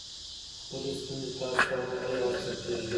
خپلې ستونزې تاسو ته ووایي هر څه پرېږدئ.